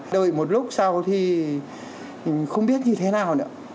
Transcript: đợi một lúc sau thì mình không biết như thế nào nữa